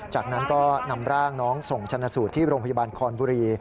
จากนั้นก็นำร่างน้องส่งชนะสูตรที่โรงพยาบาลคอนบุรี